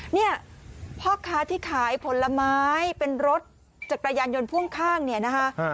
เนี่ยพ่อค้าที่ขายผลไม้เป็นรถจักรยานยนต์พ่วงข้างเนี่ยนะคะ